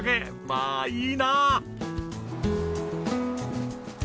まあいいな！